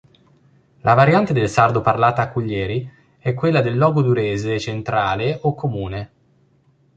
La variante del sardo parlata a Cuglieri è quella logudorese centrale o comune.